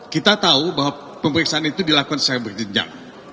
kita tahu bahwa pemeriksaan itu dilakukan secara berjenjang